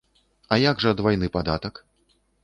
А як жа двайны падатак?